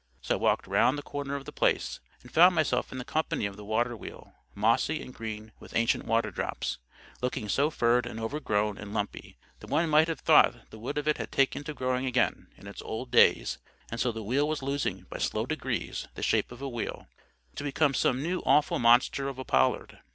So I walked round the corner of the place, and found myself in the company of the water wheel, mossy and green with ancient waterdrops, looking so furred and overgrown and lumpy, that one might have thought the wood of it had taken to growing again in its old days, and so the wheel was losing by slow degrees the shape of a wheel, to become some new awful monster of a pollard.